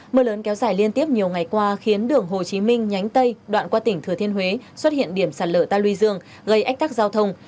mưa lớn kéo dài liên tiếp nhiều ngày qua khiến đường hồ chí minh nhánh tây đoạn qua tỉnh thừa thiên huế xuất hiện điểm sạt lở ta luy dương gây ách tắc giao thông